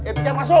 ya tiga masuk